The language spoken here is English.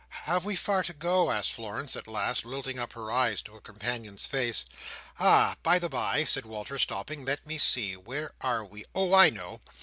"Have we far to go?" asked Florence at last, lilting up her eyes to her companion's face. "Ah! By the bye," said Walter, stopping, "let me see; where are we? Oh! I know.